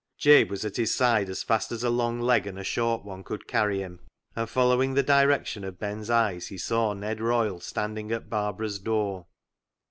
Jabe was at his side as fast as a long leg and a short one could carry him, and, follow ing the direction of Ben's eyes, he saw Ned Royle standing at Barbara's door.